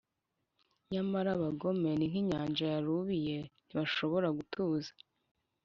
“nyamara abagome ni nk’inyanja yarubiye, ntishobora gutuza,